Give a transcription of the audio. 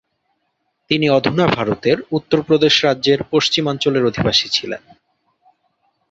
তিনি অধুনা ভারতের উত্তরপ্রদেশ রাজ্যের পশ্চিমাঞ্চলের অধিবাসী ছিলেন।